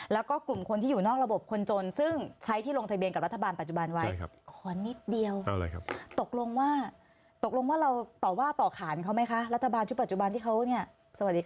แล้วก็กลุ่มคนที่อยู่นอกระบบคนจนซึ่งใช้ที่ลงทะเบียนกับรัฐบาลปัจจุบันไว้